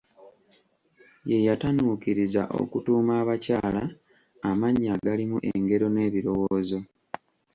Ye yatanuukiriza okutuuma abakyala amannya agalimu engero n'ebirowoozo.